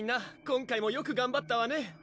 今回もよく頑張ったわね